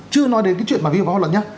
chưa nói đến cái chuyện mà viên báo luận nhé